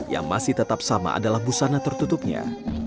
yang masih tetap sama adalah busana tertutupnya